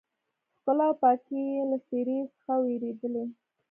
ښکلا او پاکي يې له څېرې څخه ورېدلې.